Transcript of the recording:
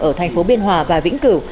ở thành phố biên hòa và vĩnh cửu